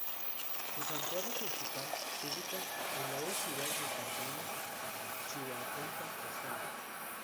Su santuario principal se ubicaba en la hoy ciudad de Santa Ana Chiautempan, Tlaxcala.